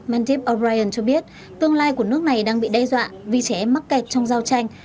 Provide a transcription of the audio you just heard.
mandeep o brien cho biết tương lai của nước này đang bị đe dọa vì trẻ em mắc kẹt trong giao tranh